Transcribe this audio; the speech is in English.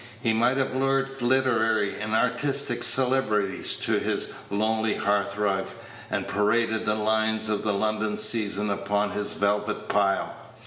He might have lured literary and artistic celebrities to his lonely hearth rug, and paraded the lions of the London season upon his velvet pile.